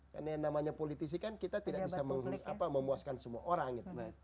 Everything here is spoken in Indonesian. karena yang namanya politisi kan kita tidak bisa memuaskan semua orang